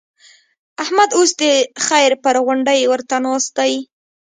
احمد اوس د خير پر غونډۍ ورته ناست دی.